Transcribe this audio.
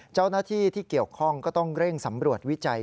เจ้าหน้าที่ที่เกี่ยวข้องก็ต้องเร่งสำรวจวิจัย